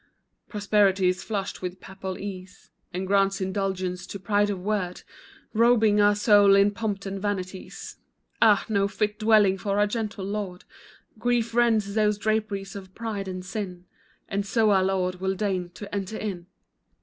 Prosperity is flushed with Papal ease And grants indulgences to pride of word, Robing our soul in pomp and vanities, Ah! no fit dwelling for our gentle Lord; Grief rends those draperies of pride and sin, And so our Lord will deign to enter in.